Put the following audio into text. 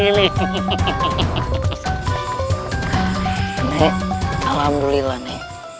ini alhamdulillah ini